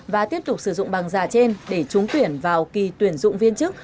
và tiếp tục sử dụng bằng giả trên để trúng tuyển vào kỳ tuyển dụng viên chức